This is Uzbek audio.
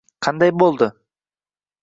Qanday bo'ldi?